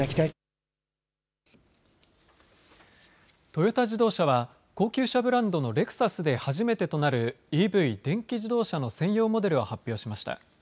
トヨタ自動車は高級車ブランドのレクサスで初めてとなるＥＶ、電気自動車の専用モデルを発表しました。